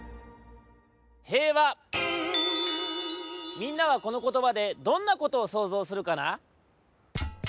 みんなはこのことばでどんなことをそうぞうするかな？